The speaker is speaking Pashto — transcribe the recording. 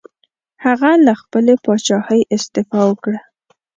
هغه له خپلې پاچاهۍ استعفا وکړه.